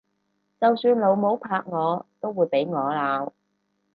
就算老母拍我都會俾我鬧！